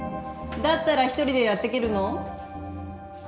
だったら一人でやっていけるの？